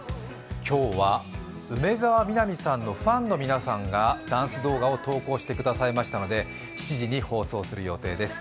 今日は梅澤美波さんのファンの皆さんがダンス動画を投稿してくださいましたので７時に放送する予定です。